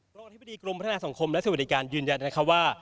รองอธิบดีกรมพัฒนาสังคมและสวัสดิการยืนยันนะคะว่า